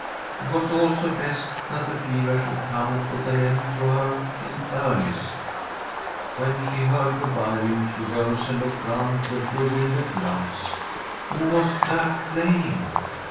It was also best that the fever should come and put an end to her in earnest. When she heard the violin, she rose and looked round with bewildered glance. Who was that playing?